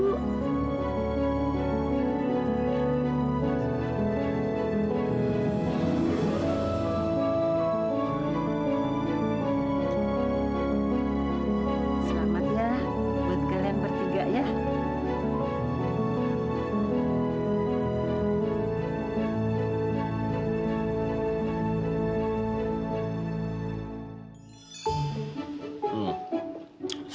selamat ya buat kalian bertiga ya